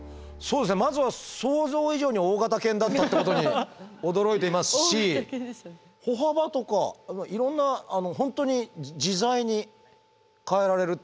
まずは想像以上に大型犬だったってことに驚いていますし歩幅とかいろんな本当に自在に変えられるっていうか。